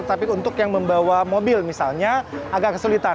tapi untuk yang membawa mobil misalnya agak kesulitan